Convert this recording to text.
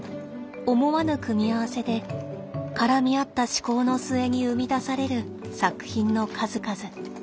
思わぬ組み合わせで絡み合った思考の末に生み出される作品の数々。